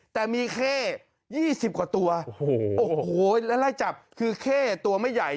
แต่มีเข้๒๐กว่าตัวโอ้โหแล้วไล่จับคือเข้ตัวไม่ใหญ่